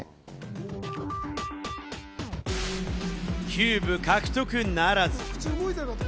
キューブ獲得ならず。